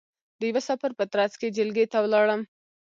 د یوه سفر په ترځ کې جلگې ته ولاړم،